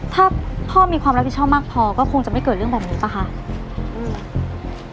ถ้าพ่อมีความรับผิดชอบมากพอก็คงจะไม่เกิดเรื่องแบบนี้ป่ะคะอืม